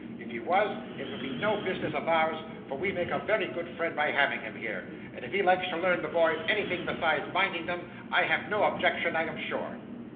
If he was, it would be no business of ours, for we make a very good friend by having him here; and if he likes to learn the boys anything besides minding them, I have no objection I am sure.